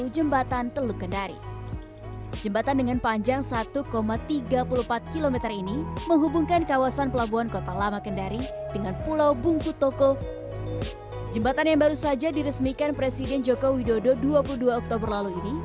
jembatan yang baru saja diresmikan presiden joko widodo dua puluh dua oktober lalu ini